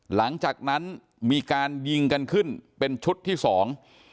หลังจากนั้นมีการยิงกันขึ้นเป็นชุดที่สอง